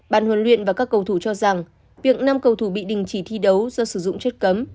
bàn huấn luyện và các cầu thủ cho rằng việc năm cầu thủ bị đình chỉ thi đấu do sử dụng chất cấm